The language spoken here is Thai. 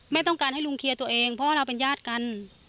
ต้องการให้ลุงเคลียร์ตัวเองเพราะว่าเราเป็นญาติกัน